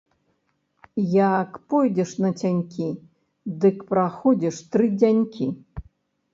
Як пойдзеш нацянькі, дык праходзіш тры дзянькі.